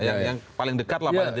yang paling dekat lah